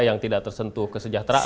yang tidak tersentuh kesejahteraan